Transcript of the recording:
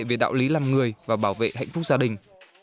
về đạo lý làm người và bảo vệ hạnh phúc gia đình